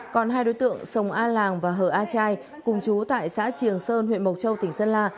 còn hai đối tượng sông a làng và hờ a trai cùng chú tại xã triềng sơn huyện mộc châu tỉnh sơn la